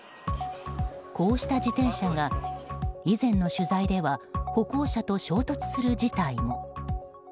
こうした自転車が以前の取材では歩行者と衝突する事態も。